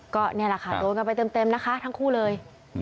ก็นี่แหละค่ะโดนกันไปเต็มนะคะทั้งคู่เลย